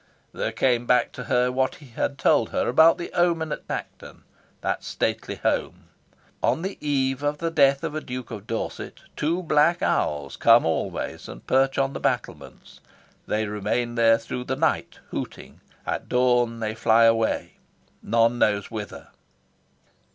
There came back to her what he had told her about the omen at Tankerton, that stately home: "On the eve of the death of a Duke of Dorset, two black owls come always and perch on the battlements. They remain there through the night, hooting. At dawn they fly away, none knows whither."